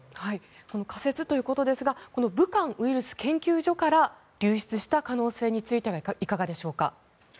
仮説ということですが武漢ウイルス研究所から流出した可能性はいかがでしょうか。